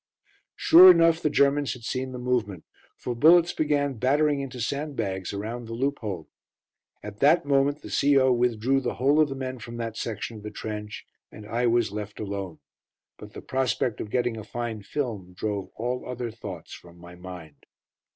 Sure enough the Germans had seen the movement, for bullets began battering into sandbags around the loophole. At that moment the C.O. withdrew the whole of the men from that section of the trench, and I was left alone. But the prospect of getting a fine film drove all other thoughts from my mind.